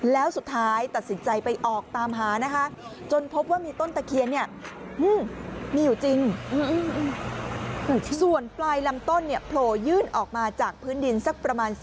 แล้วสุดท้ายตัดสินใจไปออกตามหานะคะจนพบว่ามีต้นตะเคียนฮื้อมีอยู่จริง